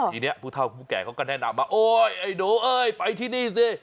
ทีเนี้ยผู้เก่าเขาก็แนะนำมาโอ๊ยไอ้หนูเอ่ยไปที่นี่สิ